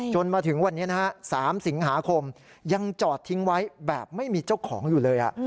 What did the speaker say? จนถึงวันนี้นะฮะ๓สิงหาคมยังจอดทิ้งไว้แบบไม่มีเจ้าของอยู่เลย